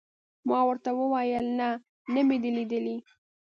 ما ورته وویل: نه، نه مې دي لیدلي.